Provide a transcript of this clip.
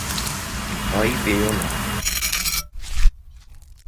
ভয় পেও না!